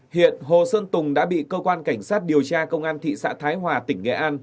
hiện hồ sơn tùng đã bị cơ quan cảnh sát điều tra công an thị xã thái hòa tỉnh nghệ an